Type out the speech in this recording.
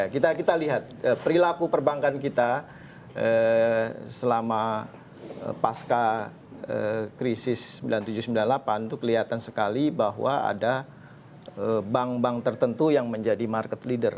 kita lihat perilaku perbankan kita selama pasca krisis sembilan puluh tujuh sembilan puluh delapan itu kelihatan sekali bahwa ada bank bank tertentu yang menjadi market leader